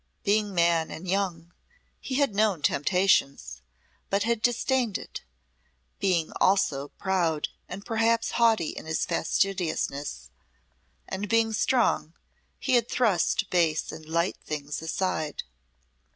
Being man and young, he had known temptation, but had disdained it; being also proud and perhaps haughty in his fastidiousness, and being strong, he had thrust base and light things aside.